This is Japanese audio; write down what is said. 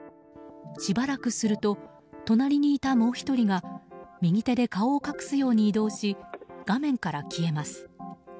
しばらくすると隣にいたもう１人が右手で顔を隠すように移動し画面から消えます。